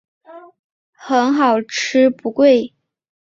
很好吃不贵